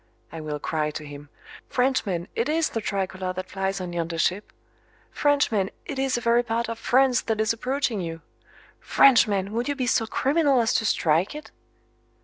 I will cry to him: "Frenchman, it is the tricolor that flies on yonder ship! Frenchman, it is a very part of France that is approaching you! Frenchman, would you be so criminal as to strike it?"